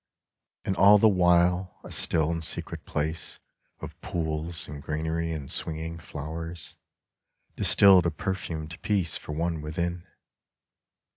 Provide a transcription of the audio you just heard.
And all the while a still and secret place Of pools and greenery and swinging flowers Distilled a perfumed peace for one within.